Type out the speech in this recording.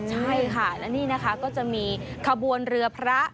ใช่ค่ะและนี่นะคะก็จะมีขบวนเรือพระ